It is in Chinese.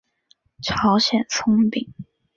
朝鲜葱饼。